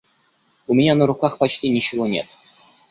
У меня на руках почти ничего нет.